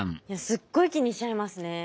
すっごい気にしちゃいますね。